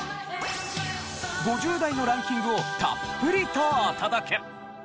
５０代のランキングをたっぷりとお届け！